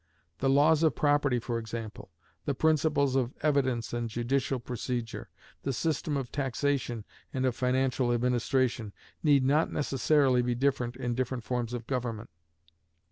The laws of property, for example; the principles of evidence and judicial procedure; the system of taxation and of financial administration, need not necessarily be different in different forms of government.